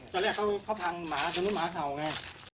ตอนแรกเขาพังหมาตัวนู้นหมาเห่าไง